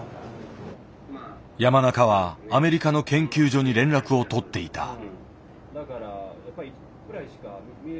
山中はアメリカの研究所に連絡をとっていた。